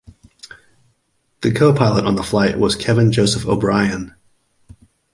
The co-pilot on the flight was Kevin Joseph O'Brien.